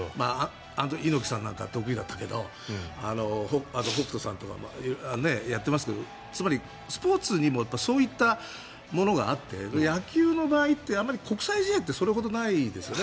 猪木さんなんかが得意だったけど北斗さんとかやってますけどつまりスポーツにもそういったものがあって野球の場合ってあまり国際試合ってそれほどないですよね。